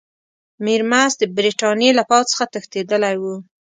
میرمست د برټانیې له پوځ څخه تښتېدلی وو.